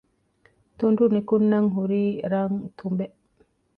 ތުނޑު ނިކުންނަން ހުރީ ރަން ތުނބެއް